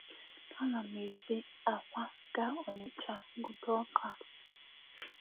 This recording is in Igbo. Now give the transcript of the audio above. Ana m esi Awka gaa Onitsha gota ọka